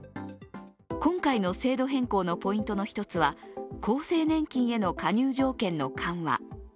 今回の制度変更のポイントの１つは厚生年金への加入条件の緩和。